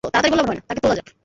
তাকে তোলা যাক।